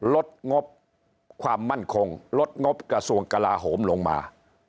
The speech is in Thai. ลดงบความมั่นคงลดงบกระทรวงกลาโหมลงมา